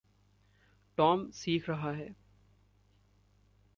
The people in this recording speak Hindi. टॉम सीख रहा है।